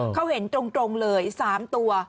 เขาเห็นตรงเลย๓ตัว